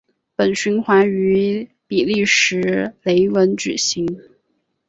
本循环于比利时鲁汶举行。